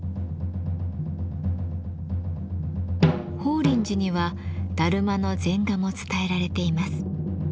法輪寺にはダルマの禅画も伝えられています。